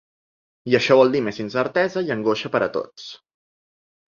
I això vol dir més incertesa i angoixa per a tots.